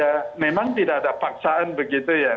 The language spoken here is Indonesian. ya memang tidak ada paksaan begitu ya